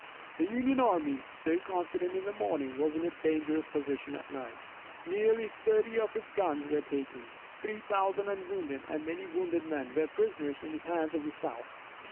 The Union army, so confident in the morning, was in a dangerous position at night. Nearly thirty of its guns were taken. Three thousand unwounded and many wounded men were prisoners in the hands of the South.